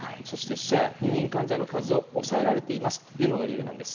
死者や入院患者の数を抑えられていますというのが理由なんです。